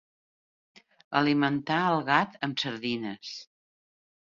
Alimentà el gat amb sardines.